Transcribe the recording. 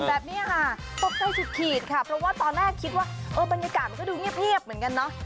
แบบนี้ค่ะตกใจสุดขีดค่ะเพราะว่าตอนแรกคิดว่าเออบรรยากาศมันก็ดูเงียบเหมือนกันเนอะ